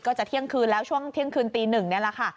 จะเที่ยงคืนแล้วช่วงเที่ยงคืนตีหนึ่งนี่แหละค่ะ